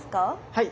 はい。